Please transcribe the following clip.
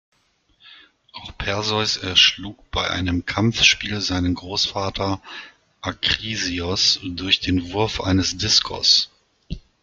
Auch Perseus erschlug bei einem Kampfspiel seinen Großvater Akrisios durch den Wurf eines Diskos.